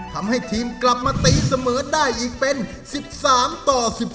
ทำให้ทีมกลับมาตีเสมอได้อีกเป็น๑๓ต่อ๑๒